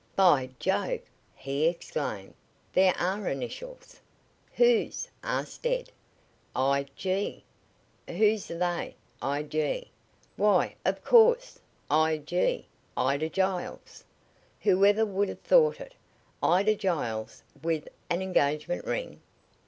"By Jove!" he exclaimed. "There are initials!" "Whose?" asked Ed. "'I.G.' Whose are they? 'I.G.' Why, of course. `I.G.' Ida Giles! Whoever would have thought it? Ida Giles with an engagement ring!"